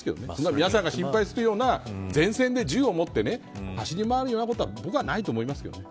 皆さんが心配するような前線で銃を持って走り回るようなことは僕はないと思いますけどね。